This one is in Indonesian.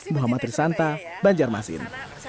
muhammad risanta banjarmasin